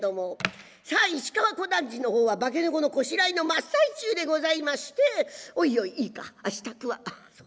さあ市川小団次の方は「化け猫」のこしらえの真っ最中でございまして「おいおいいいか支度は。ああそう。